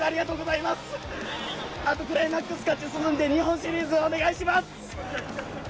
あとクライマックス勝ち進んで日本シリーズ、お願いします！